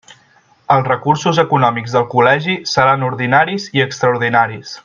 Els recursos econòmics del Col·legi seran ordinaris i extraordinaris.